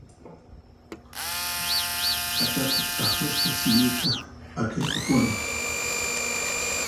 P'achata t'aqsaspa silluyta p'akirqukuni